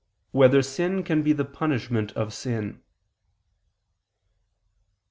2] Whether Sin Can Be the Punishment of Sin?